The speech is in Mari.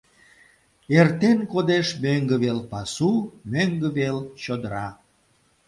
Эртен кодеш мӧҥгӧ вел пасу, мӧҥгӧ вел чодыра.